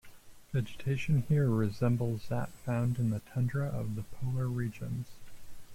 Vegetation here resembles that found in the tundra of the polar regions.